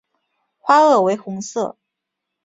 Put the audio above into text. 花萼为红色。